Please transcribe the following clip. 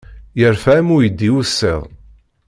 Yerfa am uydi ussiḍ.